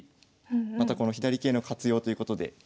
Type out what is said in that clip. またこの左桂の活用ということで。